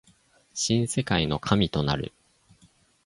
新世界の神となる